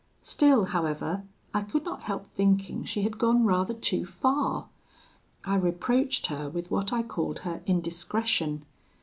Still, however, I could not help thinking she had gone rather too far. I reproached her with what I called her indiscretion.